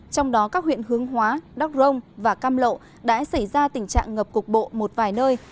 trong đó các huyện hướng hóa đắc rông và cam lộ đã xảy ra tình trạng ngập cục bộ một vài nơi